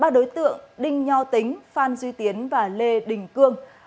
ba đối tượng đinh nho tính phan duy tiến và lê đình cương